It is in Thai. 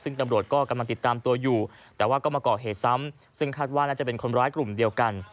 ซึ่งตำรวจก็กำลังติดตามตัวอยู่แต่ว่าก็มาก่อเหตุซ้ำซึ่งคาดว่าน่าจะเป็นคนร้ายกลุ่มเดียวกัน